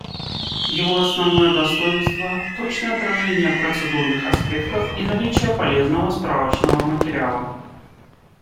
Его основное достоинство — точное отражение процедурных аспектов и наличие полезного справочного материала.